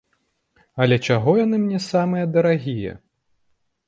Але чаго яны мне самыя дарагія?